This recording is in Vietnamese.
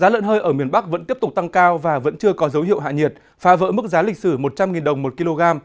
lợn hơi ở miền bắc vẫn tiếp tục tăng cao và vẫn chưa có dấu hiệu hạ nhiệt phá vỡ mức giá lịch sử một trăm linh đồng một kg